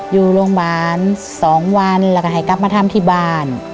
อยู่โรงพยาบาล๒วันแล้วก็ให้กลับมาทำที่บ้าน